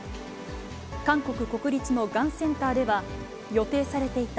韓国国立のがんセンターでは、予定されていた